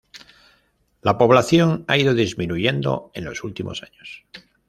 La población ha ido disminuyendo en los últimos años.